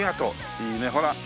いいねほら。